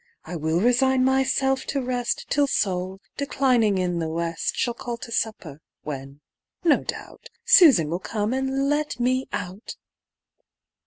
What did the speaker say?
I will resign myself to rest Till Sol, declining in the west, Shall call to supper, when, no doubt, Susan will come and let me out."